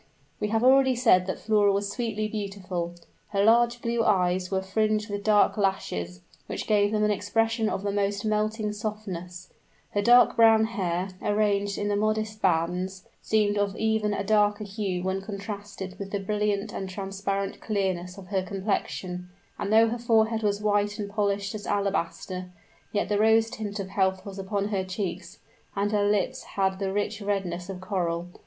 We have already said that Flora was sweetly beautiful. Her large blue eyes were fringed with dark lashes, which gave them an expression of the most melting softness; her dark brown hair, arranged in the modest bands, seemed of even a darker hue when contrasted with the brilliant and transparent clearness of her complexion, and though her forehead was white and polished as alabaster, yet the rose tint of health was upon her cheeks, and her lips had the rich redness of coral.